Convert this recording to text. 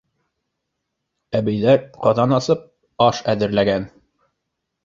Әбейҙәр ҡаҙан аҫып, аш әҙерләгән.